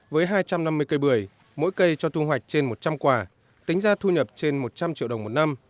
với hai trăm năm mươi cây bưởi mỗi cây cho thu hoạch trên một trăm linh quả tính ra thu nhập trên một trăm linh triệu đồng một năm